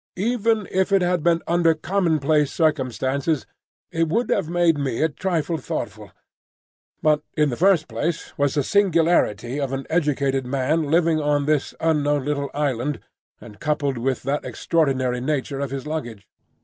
Even had it been under commonplace circumstances, it would have made me a trifle thoughtful; but in the first place was the singularity of an educated man living on this unknown little island, and coupled with that the extraordinary nature of his luggage.